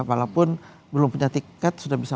walaupun belum punya tiket sudah bisa